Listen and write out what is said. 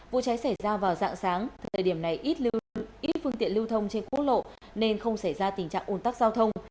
vụ cháy xảy ra vào dạng sáng thời điểm này ít phương tiện lưu thông trên quốc lộ nên không xảy ra tình trạng ồn tắc giao thông